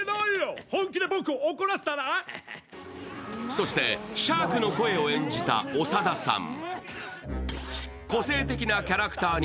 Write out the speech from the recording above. そしてシャークの声を演じた長田さん。